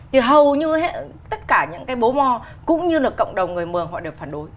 thì hầu như tất cả những cái bố mò cũng như là cộng đồng người mường họ đều phản đối